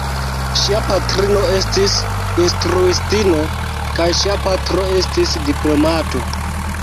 Ŝia patrino estis instruistino kaj ŝia patro estis diplomato.